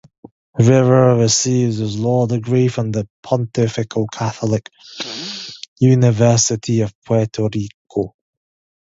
Rivera received his Law Degree from the Pontifical Catholic University of Puerto Rico.